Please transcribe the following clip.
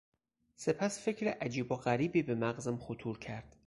سپس فکر عجیب و غریبی به مغزم خطور کرد.